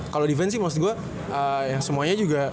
kalau defense sih maksud gue ya semuanya juga